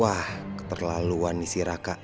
wah keterlaluan nih si raka